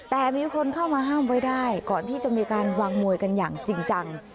แต่มีคนเข้ามาห้ามไว้ได้ก่อนที่จะมีการวางมวยกันอย่างจริงจัง